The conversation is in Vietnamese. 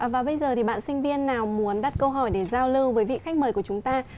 và bây giờ thì bạn sinh viên nào muốn đặt câu hỏi để giao lưu với vị khách mời của chúng ta